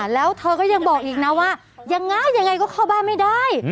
แล้วเธอก็ยังบอกอีกนะว่ายังไงยังไงก็เข้าบ้านไม่ได้